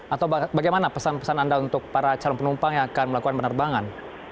atau bagaimana pesan pesan anda untuk para calon penumpang yang akan melakukan penerbangan